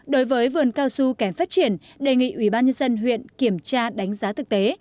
đối với vườn cao su kém phát triển đề nghị ubnd huyện kiểm tra đánh giá thực tế